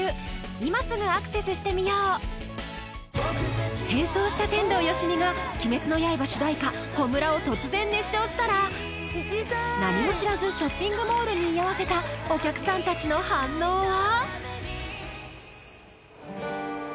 今すぐアクセスしてみよう変装した天童よしみが「鬼滅の刃」主題歌「炎」を突然熱唱したら何も知らずショッピングモールに居合わせたお客さん達の反応は！？